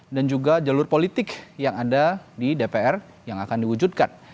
dan juga jalur politik yang ada di dpr yang akan diwujudkan